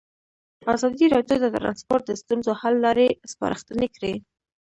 ازادي راډیو د ترانسپورټ د ستونزو حل لارې سپارښتنې کړي.